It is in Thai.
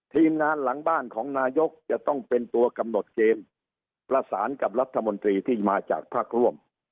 ทีมงานหลังบ้านของนายกจะต้องเป็นตัวกำหนดเกณฑ์ประสานกับรัฐมนตรีที่มาจากภาคร่วม